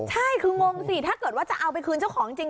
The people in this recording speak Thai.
ใช่คืองงสิถ้าเกิดว่าจะเอาไปคืนเจ้าของจริง